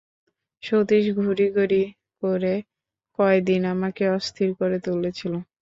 সতীশ ঘড়ি ঘড়ি করে কয়দিন আমাকে অস্থির করে তুলেছিল।